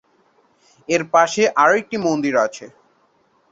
এর পাশে আরেকটি মন্দির আছে।